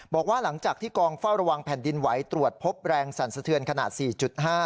บอกว่าหลังจากที่กองเฝ้าระวังแผ่นดินไหวตรวจพบแรงสั่นสะเทือนขนาด๔๕